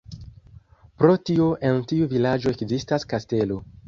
Pro tio en tiu vilaĝo ekzistas kastelo.